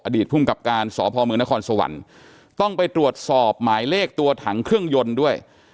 ภูมิกับการสพมนครสวรรค์ต้องไปตรวจสอบหมายเลขตัวถังเครื่องยนต์ด้วย